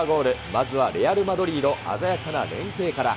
まずはレアル・マドリード、鮮やかな連係から。